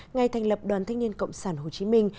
ngày thành lập đoàn thanh niên cộng sản hồ chí minh